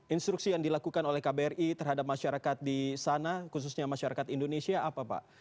instruksi yang dilakukan oleh kbri terhadap masyarakat di sana khususnya masyarakat indonesia apa pak